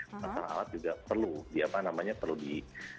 masalah alat juga perlu di apa namanya perlu di